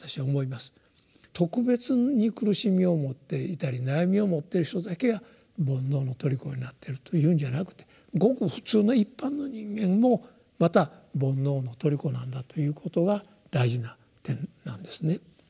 特別に苦しみを持っていたり悩みを持ってる人だけが「煩悩」の虜になってるというんじゃなくてごく普通の一般の人間もまた「煩悩」の虜なんだということが大事な点なんですね。